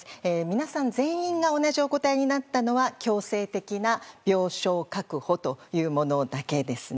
皆さん全員が同じお答えになったのは強制的な病床確保というものだけですね。